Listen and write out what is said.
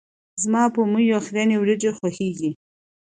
زما په میو خیرنې وريژې خوښیږي.